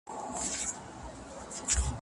ناولونه د اصلاح پیغام لري.